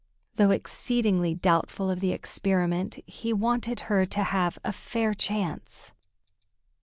Though exceedingly doubtful of the experiment, he wanted her to have a fair chance.